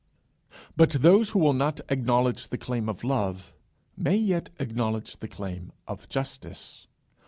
But those who will not acknowledge the claim of love, may yet acknowledge the claim of justice.